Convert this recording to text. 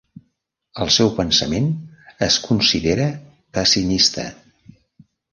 El seu pensament es considera pessimista.